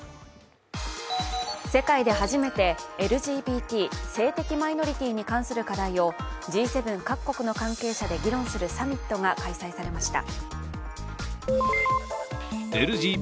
世界で初めてＬＧＢＴ＝性的マイノリティに関する課題をＧ７各国の関係者で議論するサミットが開催されました。